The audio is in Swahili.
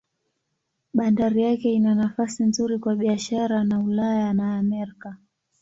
Bandari yake ina nafasi nzuri kwa biashara na Ulaya na Amerika.